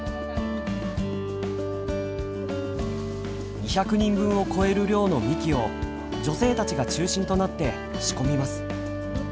２００人分を超える量のみきを女性たちが中心となって仕込みます。